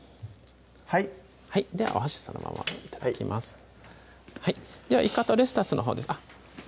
はいではお箸のそのまま頂きますではいかとレタスのほうあっ